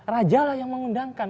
rajalah yang mengundangkan